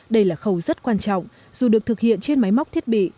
đây là khâu rất quan trọng dù được thực hiện trên máy móc thiết bị